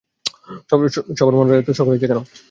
সবার মরার এত শখ হয়েছে কেন?